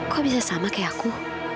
kok bisa sama kayak aku